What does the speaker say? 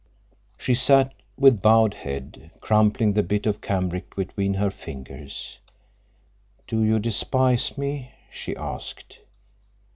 She sat with bowed head, crumpling the bit of cambric between her fingers. "Do you despise me?" she asked.